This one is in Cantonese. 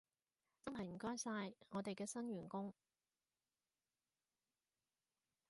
真係唔該晒，我哋嘅新員工